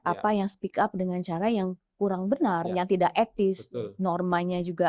apa yang speak up dengan cara yang kurang benar yang tidak etis normanya juga